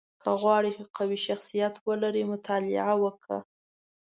• که غواړې قوي شخصیت ولرې، مطالعه وکړه.